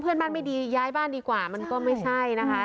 เพื่อนบ้านไม่ดีย้ายบ้านดีกว่ามันก็ไม่ใช่นะคะ